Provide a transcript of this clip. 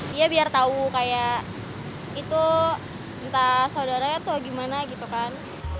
dia biar tahu kayak itu entah saudaranya tuh gimana gitu kan